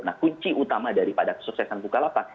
nah kunci utama daripada kesuksesan bukalapak